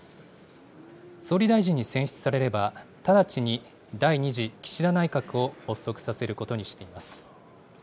総理大臣に選出されれば、直ちに第２次岸田内閣を発足させることにしています。